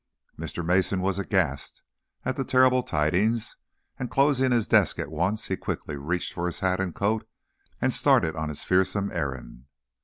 Mr. Mason was aghast at the terrible tidings, and closing his desk at once, he quickly reached for his hat and coat and started on his fearsome errand.